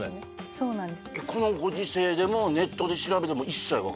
そうなんです